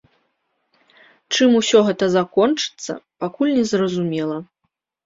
Чым усё гэта закончыцца, пакуль не зразумела.